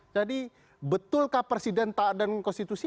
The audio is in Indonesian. jadi betulkah presiden tak ada konstitusi